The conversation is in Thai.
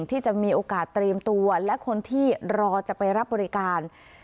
ที่จะมีโอกาสเตรียมตัวและคนที่รอจะไปรับบริการ